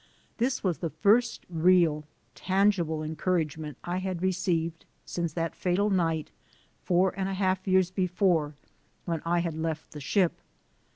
This was the first real, tangible encouragement I had received since that fatal night, four and a half years before, when I had left the ship.